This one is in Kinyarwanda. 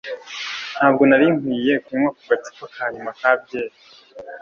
Ntabwo nari nkwiye kunywa ako gacupa ka nyuma ka byeri.